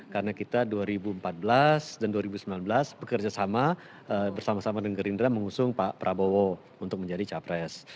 karena kita dua ribu empat belas dan dua ribu sembilan belas bekerja sama bersama sama dengan gerindra mengusung pak prabowo untuk menjadi capres